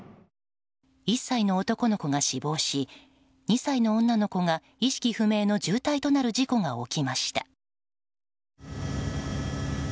１歳の男の子が死亡し２歳の女の子が意識不明の重体となる事故が起きました。